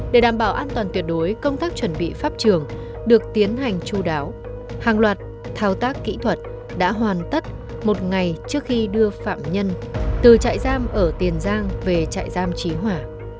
để đảm bảo an toàn tuyệt đối công tác chuẩn bị pháp trường được tiến hành chú đáo hàng loạt thao tác kỹ thuật đã hoàn tất một ngày trước khi đưa phạm nhân từ trại giam ở tiền giang về trại giam trí hỏa